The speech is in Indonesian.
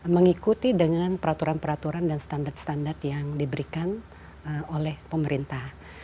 mengikuti dengan peraturan peraturan dan standar standar yang diberikan oleh pemerintah